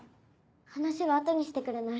話は後にしてくれない？